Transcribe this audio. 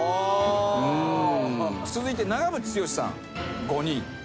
続いて長渕剛さん。